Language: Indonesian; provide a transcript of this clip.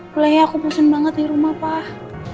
mulai aku pusing banget di rumah pak